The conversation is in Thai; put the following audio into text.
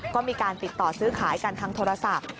ก็มีการติดต่อซื้อขายกันทางโทรศัพท์